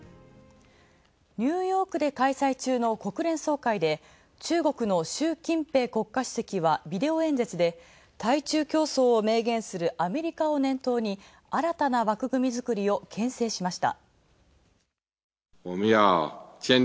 ニューヨークで開催中の国連総会で、中国の習近平国家主席はビデオ演説で対中競争を明言する新たな枠組み作りをけん制しました。